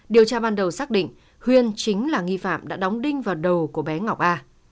điều tra ban đầu xác định huyên chính là nghi phạm đã đóng đinh vào đầu của bé ngọc a